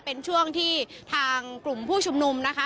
เป็นช่วงที่ทางกลุ่มผู้ชุมนุมนะคะ